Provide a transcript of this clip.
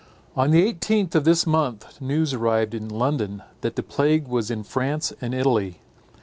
On the eighteenth of this month news arrived in London that the plague was in France and Italy.